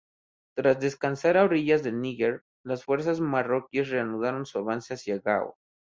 Tras descansar a orillas del Níger, las fuerzas marroquíes reanudaron su avance hacia Gao.